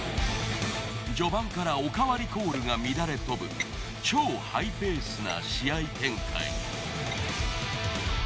序盤からおかわりコールが乱れ飛ぶ超ハイペースな試合展開。